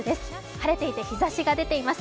晴れていて日差しが出ています。